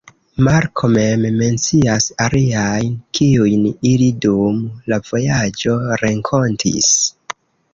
Marko mem mencias aliajn, kiujn ili dum la vojaĝo renkontis.